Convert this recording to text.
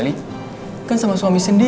mayan sem documentaries gue indah ya